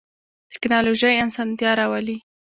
تکنالوژی اسانتیا راولی